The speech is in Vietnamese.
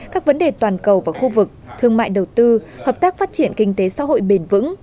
các vấn đề toàn cầu và khu vực thương mại đầu tư hợp tác phát triển kinh tế xã hội bền vững